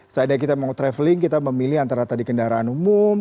seandainya kita mau traveling kita memilih antara tadi kendaraan umum